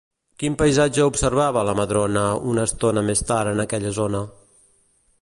Quin paisatge observava la Madrona una estona més tard en aquella zona?